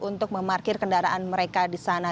untuk memarkir kendaraan mereka di sana